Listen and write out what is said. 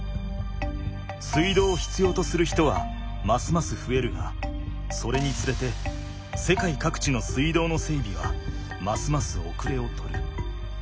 水道を必要とする人はますます増えるがそれにつれて世界各地の水道の整備はますますおくれを取る。